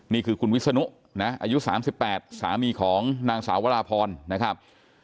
นี่คือคุณวิศนุนะอายุ๓๘สามีของนางสาววราพรนะครับ